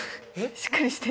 しっかりして。